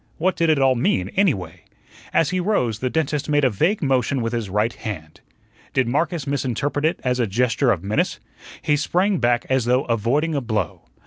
What did it all mean, anyway? As he rose the dentist made a vague motion with his right hand. Did Marcus misinterpret it as a gesture of menace? He sprang back as though avoiding a blow.